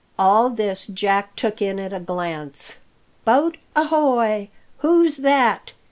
All this Jack took in at a glance. "Boat ahoy! Who's that?"